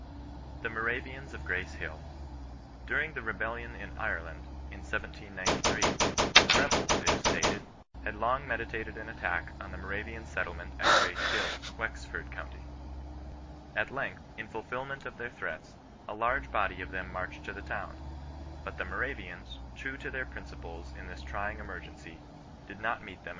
THE HOBAYIANS OF QBACE HILL. During the rebellion in Ireland, in 1793, the rebels, it is stated, had long meditated an attack on the Moravian settlement at Grace Hill, Wexford county. At length, in fulfilment of their threats, a large body of them inarched to the town. But the Moravians, true to their ' dplee^ ia thiB trying emerg^cy, did not meet them ClIBISTIAN NON BESISTANCE.